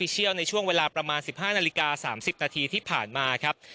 เชี่ยวในช่วงเวลาประมาณ๑๕นาฬิกา๓๐นาทีที่ผ่านมาครับ